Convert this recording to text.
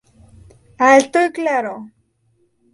Alto y claro.